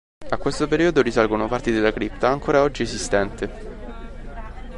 A questo periodo risalgono parti della cripta ancora oggi esistente.